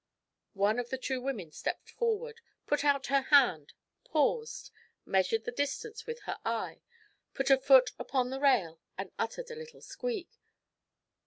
One of the two women stepped forward, put out her hand, paused, measured the distance with her eye, put a foot upon the rail, and uttered a little squeak.